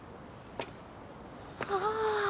はあ。